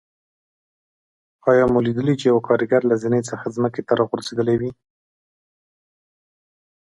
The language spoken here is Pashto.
آیا مو لیدلي چې یو کاریګر له زینې څخه ځمکې ته راغورځېدلی وي.